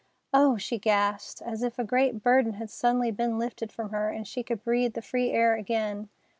"Oh!" she gasped, as if a great burden had suddenly been lifted from her and she could breathe the free air again.